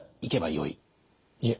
いえ。